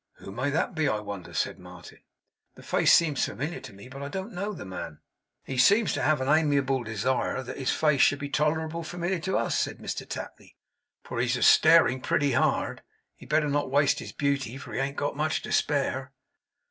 'Who may that be, I wonder!' said Martin. 'The face seems familiar to me, but I don't know the man.' 'He seems to have a amiable desire that his face should be tolerable familiar to us,' said Mr Tapley, 'for he's a staring pretty hard. He'd better not waste his beauty, for he ain't got much to spare.